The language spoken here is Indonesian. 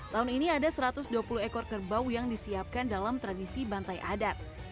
tahun ini ada satu ratus dua puluh ekor kerbau yang disiapkan dalam tradisi bantai adat